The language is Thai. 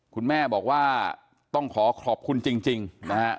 คุณแม่บอกว่าต้องขอขอบคุณจริงนะฮะ